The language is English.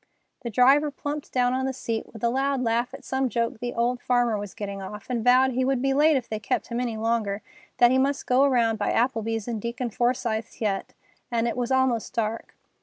The driver plumped down on the seat with a loud laugh at some joke the old farmer was getting off, and vowed he would be late if they kept him any longer, that he must go around by Applebee's and Deacon Forsythe's yet, and it was almost dark.